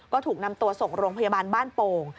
ก็ถูกนำตัวส่งโรงพยาบาลบ้านโป่ง